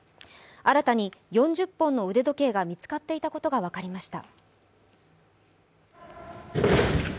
新たに４０本の腕時計が見つかっていたことが分かりました。